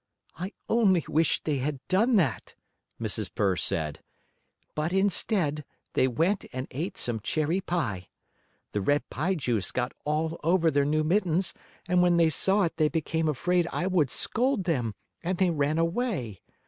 "I only wish they had done that," Mrs. Purr said. "But, instead, they went and ate some cherry pie. The red pie juice got all over their new mittens, and when they saw it they became afraid I would scold them, and they ran away.